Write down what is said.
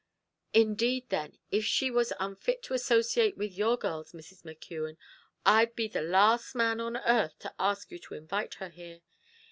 "Indeed then if she was unfit to associate with your girls, Mrs. McKeon, I'd be the last man on earth to ask you to invite her here.